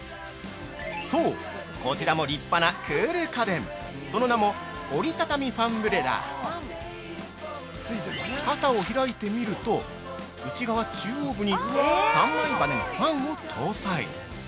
◆そう、こちらも立派なクール家電、その名も「折りたたみファンブレラ」傘を開いてみると内側中央部に３枚羽根のファンを搭載！